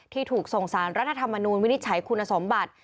ถูกส่งสารรัฐธรรมนูญวินิจฉัยคุณสมบัติ